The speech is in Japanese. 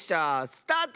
スタート！